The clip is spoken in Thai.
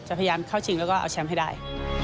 พยายามเข้าชิงแล้วก็เอาแชมป์ให้ได้